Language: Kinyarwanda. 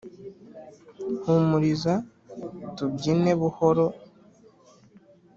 humuriza tubyine buhoro